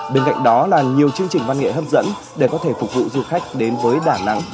bên cạnh đó là nhiều chương trình văn nghệ hấp dẫn để có thể phục vụ du khách đến với đà nẵng